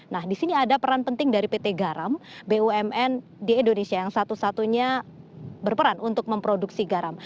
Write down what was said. nah di sini ada peran penting dari pt garam bumn di indonesia yang satu satunya berperan untuk memproduksi garam